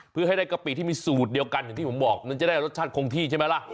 เพื่อให้ได้กะปิที่มีสูตรเดียวกันอย่างที่ผมบอกมันจะได้รสชาติคงที่ใช่ไหมล่ะ